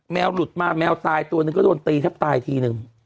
หลุดมาแมวตายตัวหนึ่งก็โดนตีแทบตายทีนึง